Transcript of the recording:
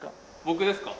僕ですか？